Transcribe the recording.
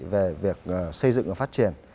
về việc xây dựng và phát triển